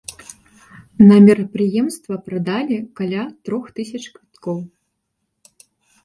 На мерапрыемства прадалі каля трох тысяч квіткоў.